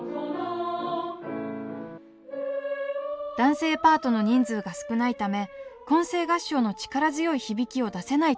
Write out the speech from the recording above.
男声パートの人数が少ないため混声合唱の力強い響きを出せないと判断。